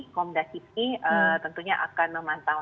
kom dacipi tentunya akan memantau